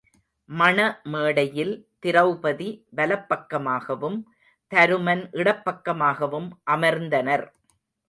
மண மேடையில் திரெளபதி வலப்பக்கமாகவும் தருமன் இடப்பக்கமாகவும் அமர்ந்தனர்.